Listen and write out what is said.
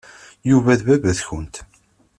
Yuba d baba-tkent.